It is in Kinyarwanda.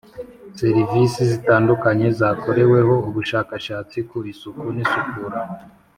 Serivisi zitandukanye zakoreweho ubushakashatsi ku isuku n isukura